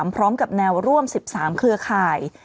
พร้อมกับแนวร่วม๑๓เครือข่าย